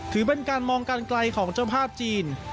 ถือเป็นการมองการไกลของเจ้าภาพจีน